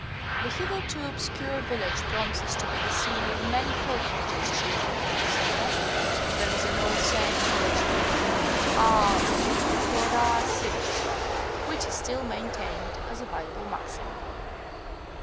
The hitherto obscure village promises to be the scene of many pilgrimages during the coming summer. There is an old saying in Yorkshire: "Ah '11 believe what Ah see," which is still maintained as a valuable maxim.